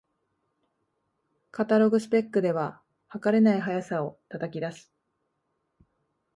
カタログスペックでは、はかれない速さを叩き出す